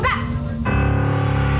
sekarang buka bajunya